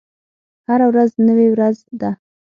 هره ورځ نوې ورځ ده